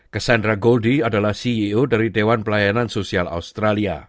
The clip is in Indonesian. cassandra goldie adalah ceo dari dewan pelayanan sosial australia